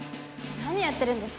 何やってるんですか？